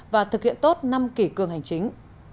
và thực hiện tốt năm kỷ cường hành chính